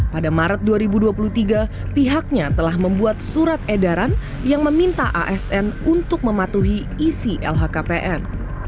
pada maret dua ribu dua puluh tiga pihaknya telah membuat surat edaran yang meminta asn untuk mematuhi isi lhkpn